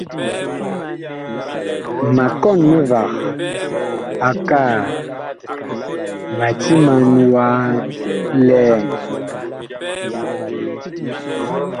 Ma kɔn mivag akaa ma timan wa li ɛn.